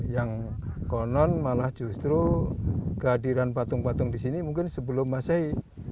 yang konon malah justru kehadiran patung patung disini mungkin sebelum masehi